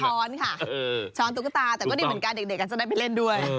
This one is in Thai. แล้วจะช้อนค่ะช้อนตุ๊กตาแต่ก็ดีเหมือนกันเด็กกันจะได้ไปเล่นด้วย